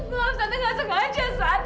maaf t dewi gak sengaja sat